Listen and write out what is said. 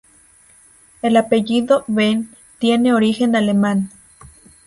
El apellido Behn tiene origen alemán.